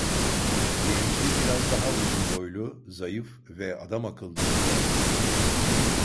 Genci biraz daha uzun boylu, zayıf ve adamakıllı güzeldi.